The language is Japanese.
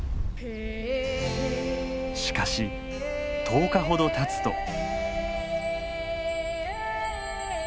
しかし１０日ほどたつと。